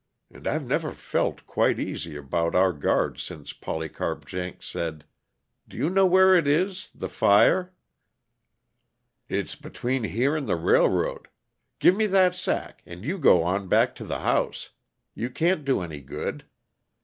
And I've never felt quite easy about our guards since Polycarp Jenks said Do you know where it is the fire?" "It's between here and the railroad. Give me that sack, and you go on back to the house. You can't do any good."